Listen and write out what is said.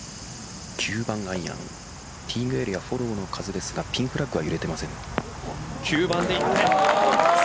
９番アイアンティーイングエリアフォローの風ですがティーフラッグは揺れていません。